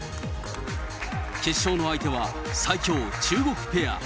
決勝の相手は、最強、中国ペア。